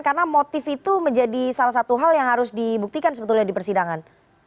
karena motif itu menjadi salah satu hal yang harus dibuktikan sebetulnya di persidangan